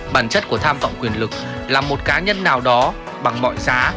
bản chất của tham vọng quyền lực là một cá nhân nào đó bằng mọi giá